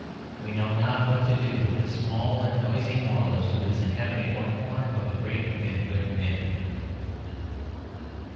We know not what to do with this small and noisy moralist who is inhabiting one corner of a great and good man.